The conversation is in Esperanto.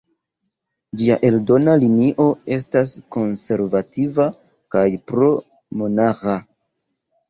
Ĝia eldona linio estas konservativa kaj pro-monarĥa.